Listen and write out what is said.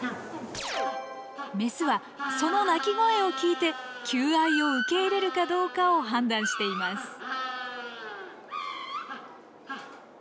メスはその鳴き声を聞いて求愛を受け入れるかどうかを判断しています。